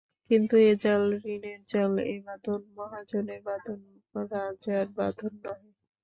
কিন্তু এ জাল ঋণের জাল, এ বাঁধন মহাজনের বাঁধন–রাজার বাঁধন নহে।